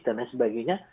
dan lain sebagainya